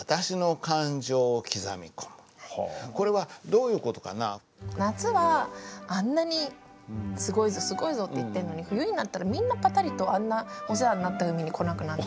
これはどういう事かな？って言ってんのに冬になったらみんなパタリとあんなお世話になった海に来なくなって。